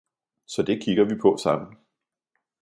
Så det kigger vi på sammen